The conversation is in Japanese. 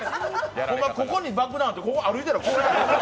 ここに爆弾あって、歩いたら、こう。